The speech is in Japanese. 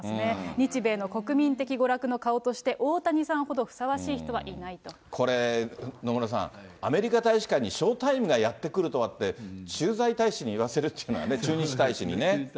日米の国民的娯楽の顔として、大谷さんほどふさわしい人はいないこれ、野村さん、アメリカ大使館にショータイムがやって来るとはって、駐在大使に言わせるっていうのはね、駐日大使にね。